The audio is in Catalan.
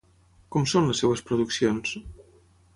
Com són les seves produccions?